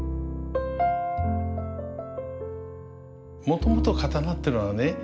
もともと刀ってのはね